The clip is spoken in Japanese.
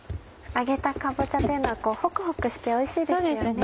揚げたかぼちゃっていうのはホクホクしておいしいですよね。